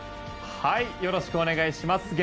よろしくお願いします。